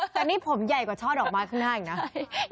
แต่นี่ผมใหญ่กว่าช่อดอกไม้ข้างหน้าอีกนะ